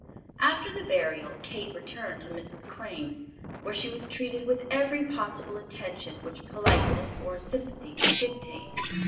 After the burial Kate returned to Mrs. Crane's, where she was treated with every possible attention which politeness or sympathy could dictate.